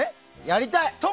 やりたい！